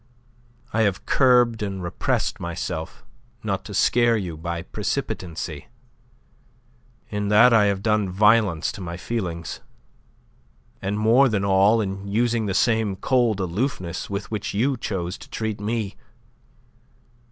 I have curbed and repressed myself not to scare you by precipitancy. In that I have done violence to my feelings, and more than all in using the same cold aloofness with which you chose to treat me.